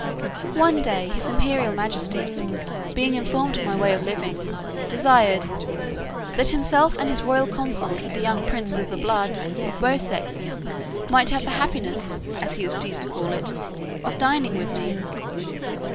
One day his imperial majesty, being informed of my way of living, desired "that himself and his royal consort, with the young princes of the blood of both sexes, might have the happiness," as he was pleased to call it, "of dining with me."